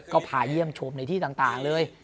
ก็พาเยี่ยมชมในที่ต่างเลย